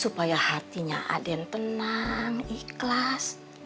supaya hatinya aden tenang ikhlas